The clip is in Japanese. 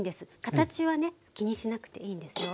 形はね気にしなくていいんですよ。